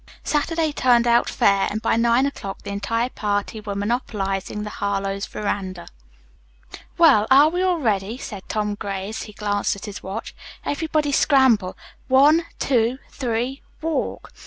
Saturday turned out fair, and by nine o'clock the entire party were monopolizing the Harlowe's veranda. "Well, are we all ready?" said Tom Gray, as he glanced at his watch. "Everybody scramble. One, two, three, walk."